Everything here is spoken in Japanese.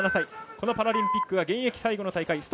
このパラリンピックは現役最後の大会。